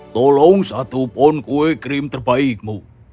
tolong satu pon kue krim terbaikmu